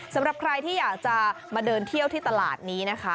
สำหรับใครที่อยากจะมาเดินเที่ยวที่ตลาดนี้นะคะ